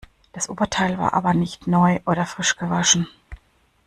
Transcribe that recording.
Das Oberteil war aber nicht neu oder frisch gewaschen.